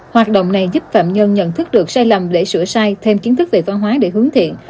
hoạt động này giúp phạm nhân nhận thức được sai lầm để sửa sai thêm kiến thức về văn hóa để hướng thiện